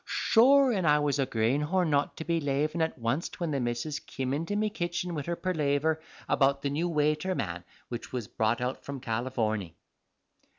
Sure, an' I was a granehorn not to be lavin' at onct when the missus kim into me kitchen wid her perlaver about the new waiter man which was brought out from Californy.